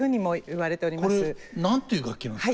これ何ていう楽器なんですか？